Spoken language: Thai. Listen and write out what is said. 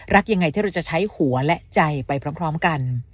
ยังไงที่เราจะใช้หัวและใจไปพร้อมกัน